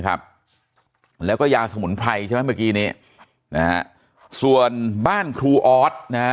ครับแล้วก็ยาสมุนไพรใช่ไหมเมื่อกี้นี้นะฮะส่วนบ้านครูออสนะฮะ